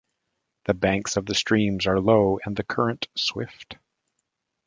The banks of the Steams are low and the current Swift.